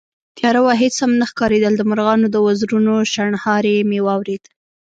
تياره وه، هېڅ هم نه ښکارېدل، د مرغانو د وزرونو شڼهاری مې واورېد